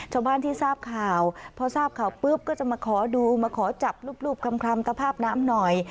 ชาวบ้านที่ทราบข่าวพอทราบข่าวปุ๊บก็จะมาขอดูมาขอจับรูปคลำตะภาพน้ำหน่อย